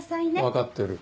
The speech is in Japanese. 分かってる。